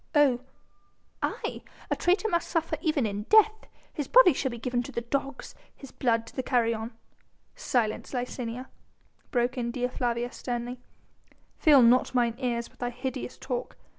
"Oh!" "Aye! a traitor must suffer even in death. His body shall be given to the dogs, his blood to the carrion...." "Silence, Licinia!" broke in Dea Flavia sternly, "fill not mine ears with thy hideous talk.